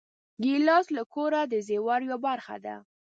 ګیلاس د کور د زېور یوه برخه ده.